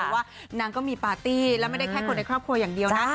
ว่านางก็มีปาร์ตี้ไม่ได้คนในครอบครัวยังเดียว